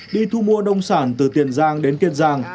đi thu mua nông sản từ tiền giang đến kiên giang